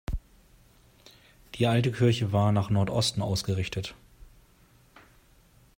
Die alte Kirche war nach Nordosten ausgerichtet.